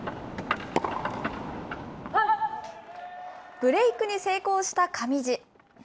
ブレークに成功した上地。